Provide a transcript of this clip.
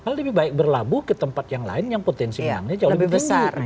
lebih baik berlabuh ke tempat yang lain yang potensi menangnya jauh lebih besar